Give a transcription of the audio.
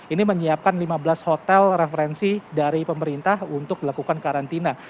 ini menyiapkan lima belas hotel referensi dari pemerintah untuk dilakukan karantina